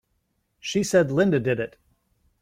She said Linda did it!